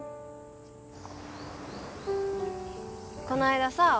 この間さ。